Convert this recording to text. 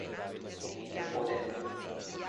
Emilio Podestà